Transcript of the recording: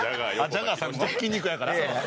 ジャガーさんも筋肉やから？